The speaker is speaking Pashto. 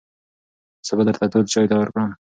زه به درته تود چای تیار کړم.